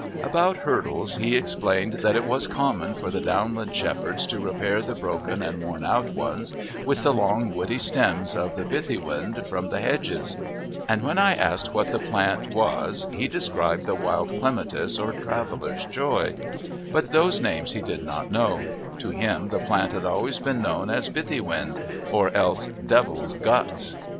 About hurdles he explained that it was common for the downland shepherds to repair the broken and worn out ones with the long woody stems of the bithywind from the hedges; and when I asked what the plant was he described the wild clematis or traveller's joy; but those names he did not know to him the plant had always been known as bithywind or else Devil's guts.